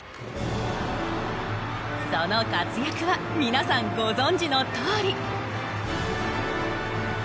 その活躍は皆さんご存じのとおり。